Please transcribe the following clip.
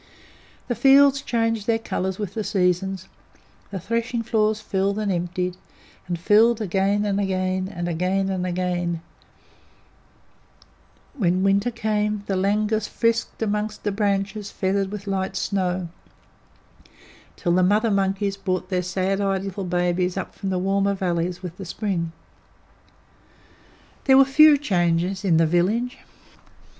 The fields changed their colours with the seasons; the threshing floors filled and emptied, and filled again and again; and again and again, when winter came, the langurs frisked among the branches feathered with light snow, till the mother monkeys brought their sad eyed little babies up from the warmer valleys with the spring. There were few changes in the village.